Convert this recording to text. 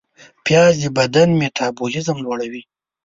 پیاز د بدن میتابولیزم لوړوي